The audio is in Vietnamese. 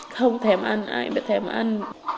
không thèm ăn ai mà thèm ăn